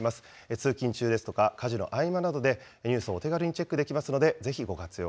通勤中ですとか、家事の合間などで、ニュースをお手軽にチェックできますので、ぜひご活用